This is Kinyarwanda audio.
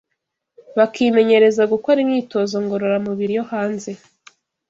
bakimenyereza gukora imyitozo ngororamubiri yo hanze